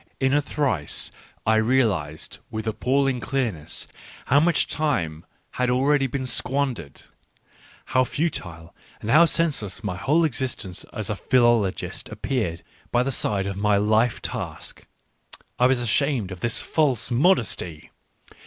In a trice I realised, with appalling clearness, how much time had already been squandered — how futile and how senseless my whole existence as a philologist ap peared by the side of my life task. I was ashamed of this false modesty.